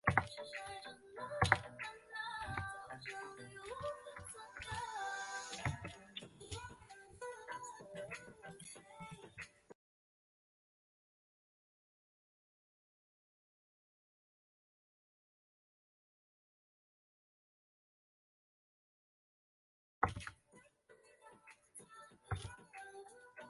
柑桔皱叶刺节蜱为节蜱科皱叶刺节蜱属下的一个种。